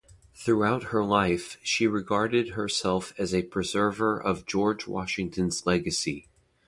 Throughout her life, she regarded herself as a preserver of George Washington's legacy.